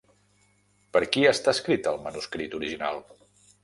Per qui està escrit el manuscrit original?